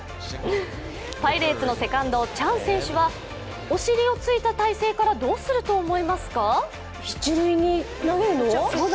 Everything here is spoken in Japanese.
パイレーツのセカンド、チャン選手はお尻をついた態勢からどうすると思いますか？